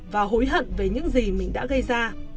và hối hận về những gì mình đã gây ra